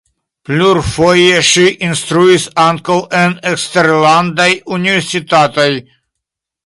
Plurfoje ŝi instruis ankaŭ en eksterlandaj universitatoj.